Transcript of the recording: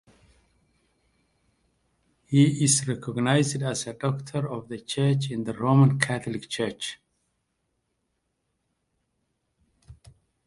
He is recognised as a Doctor of the Church in the Roman Catholic Church.